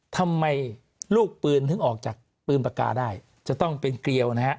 ทำไมลูกปืนถึงออกจากปืนปากกาได้จะต้องเป็นเกลียวนะฮะ